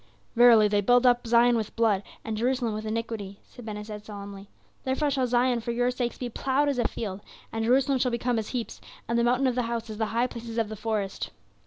"'Verily, they build up Zion with blood, and Jerusalem with iniquity," said Ben Hesed solemnly. "'Therefore shall Zion for your sakes be plowed as a field, and Jerusalem shall become as heaps; and the mountain of the house as the high places of the forest.